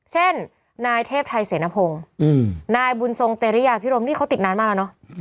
เช่นนายเทพไทยเสนพงศ์นายบุญทรงเตรียพิรมนี่เขาติดนานมากแล้วเนอะ